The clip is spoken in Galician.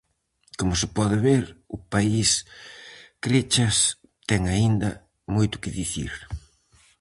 Como se pode ver, o país Crechas ten aínda moito que dicir.